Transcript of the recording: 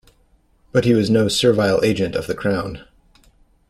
But he was no servile agent of the crown.